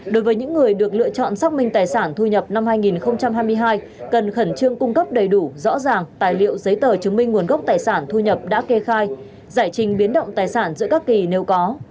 đối với những người được lựa chọn xác minh tài sản thu nhập năm hai nghìn hai mươi hai cần khẩn trương cung cấp đầy đủ rõ ràng tài liệu giấy tờ chứng minh nguồn gốc tài sản thu nhập đã kê khai giải trình biến động tài sản giữa các kỳ nếu có